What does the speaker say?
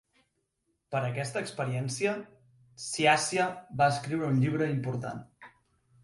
Per aquesta experiència, Sciascia va escriure un llibre important.